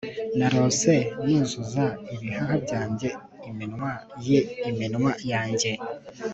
Narose nuzuza ibihaha byanjye iminwa ye iminwa yanjye